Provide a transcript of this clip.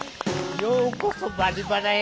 ようこそ「バリバラ」へ。